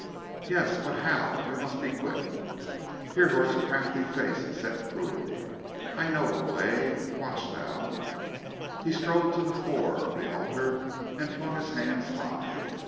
"Yes! But how? We must be quick!" Hrihor's crafty face set cruelly. "I know a way. Watch thou...." He strode to the fore of the altar and flung his hands high.